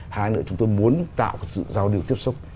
hai nữa chúng tôi muốn tạo sự giao lưu tiếp xúc